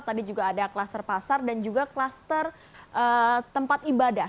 tadi juga ada kluster pasar dan juga kluster tempat ibadah